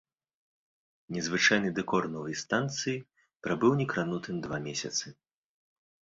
Незвычайны дэкор новай станцыі прабыў некранутым два месяцы.